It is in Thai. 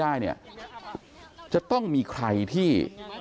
อันนี้จะต้องมีใครที่